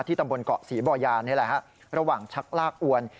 ตำบลเกาะศรีบอยานี่แหละฮะระหว่างชักลากอวน